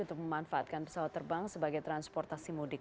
untuk memanfaatkan pesawat terbang sebagai transportasi mudik